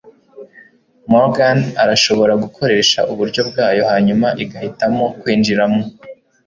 Morgan arashobora gukoresha uburyo bwayo hanyuma igahitamo kwinjira mo